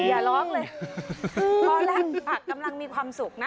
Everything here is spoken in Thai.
อย่าร้องเลยพอเล่นผักกำลังมีความสุขนะ